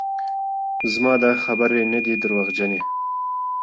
زما دا خبرې نه دي درواغجنې